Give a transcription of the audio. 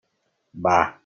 Bah!